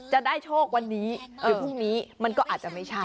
จะได้โชควันนี้หรือพรุ่งนี้มันก็อาจจะไม่ใช่